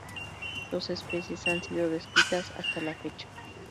Dos especies han sido descritas hasta la fecha.